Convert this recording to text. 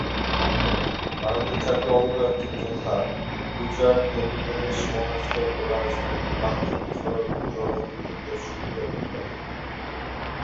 ভারতের চারটি অঙ্গরাজ্য যথা গুজরাট, মধ্যপ্রদেশ, মহারাষ্ট্র এবং রাজস্থান এই বাঁধ থেকে সরবরাহকৃত জল ও বিদ্যুৎ-এর সুবিধা ভোগ করে।